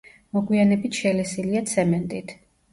მოგვიანებით შელესილია ცემენტით.